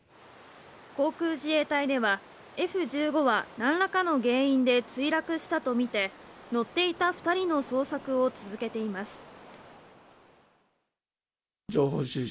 航空自衛隊では、Ｆ１５は何らかの原因で墜落したとみて乗っていた２人の捜索を続けています。